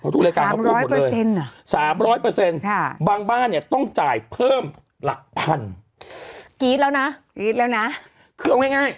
ทุกรายการเขาพูดหมดเลยสามร้อยเปอร์เซ็นต์บางบ้านเนี่ยต้องจ่ายเพิ่มหลักพันคือเอาง่าย